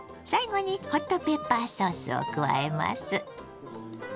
最後にホットペッパーソースを加えます。